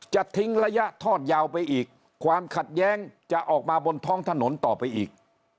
จะทิ้งระยะทอดยาวไปอีกความขัดแย้งจะออกมาบนท้องถนนต่อไปอีก